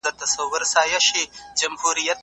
ولي هوډمن سړی د مخکښ سړي په پرتله ښه ځلېږي؟